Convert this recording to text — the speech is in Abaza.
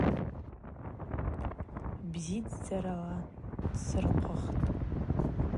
Бзидздзара дсырхъвыхтӏ.